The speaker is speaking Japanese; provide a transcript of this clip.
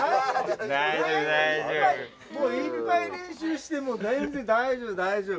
もういっぱい練習してもうぜんぜん大丈夫大丈夫。